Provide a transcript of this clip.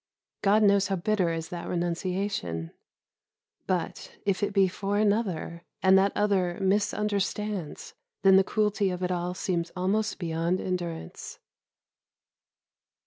God knows how bitter is that renunciation, but, if it be for another, and that other misunderstands, then the cruelty of it all seems almost beyond endurance.